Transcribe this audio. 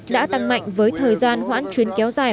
đã tăng mạnh với thời gian hoãn chuyến kéo dài